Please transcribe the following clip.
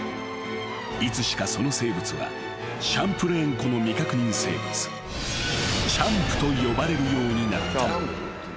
［いつしかその生物はシャンプレーン湖の未確認生物チャンプと呼ばれるようになった］